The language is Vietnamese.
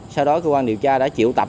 sau đó cơ quan điều tra đã triệu tập